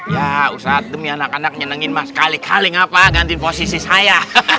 ya usah demi anak anak nyenengin mas kali kali ngapa ganti posisi saya